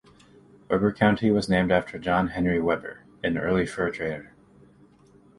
Weber County was named after John Henry Weber, an early fur trader.